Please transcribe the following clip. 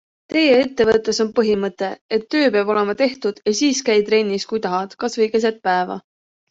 Teie ettevõttes on põhimõte, et töö peab olema tehtud ja siis käi trennis, kui tahad, kasvõi keset päeva.